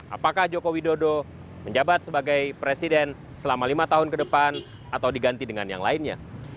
apakah joko widodo menjabat sebagai presiden selama lima tahun ke depan atau diganti dengan yang lainnya